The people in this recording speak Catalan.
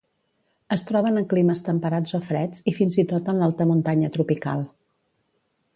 Es troben en climes temperats o freds i fins i tot en l'alta muntanya tropical.